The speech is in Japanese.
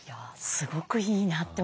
すごくいいなって。